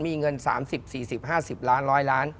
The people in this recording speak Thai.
มีเงิน๓๐๔๐๕๐ล้าน๑๐๐ล้าน